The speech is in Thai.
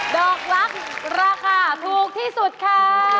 ดอกลักษณ์ราคาถูกที่สุดค่ะ